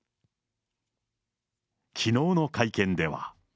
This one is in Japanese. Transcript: きのうの会見では。